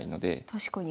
確かに。